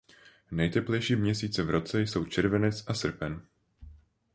Nejteplejší měsíce v roce jsou červenec a srpen.